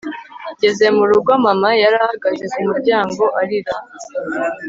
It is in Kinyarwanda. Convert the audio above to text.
ngeze mu rugo, mama yari ahagaze ku muryango arira